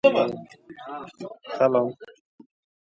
Xo‘jalik mollariga qaragisi kelmadi.